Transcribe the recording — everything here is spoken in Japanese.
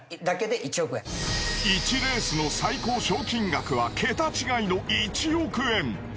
１レースの最高賞金額は桁違いの１億円。